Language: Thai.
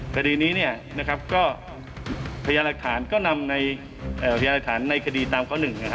กดีนี้พยานหลักฐานก็นำในกดีตามข้อ๑